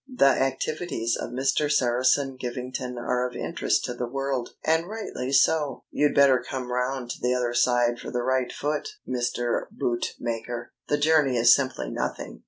The activities of Mr. Saracen Givington are of interest to the world, and rightly so! You'd better come round to the other side for the right foot, Mr. Bootmaker. The journey is simply nothing."